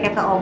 iya kan bu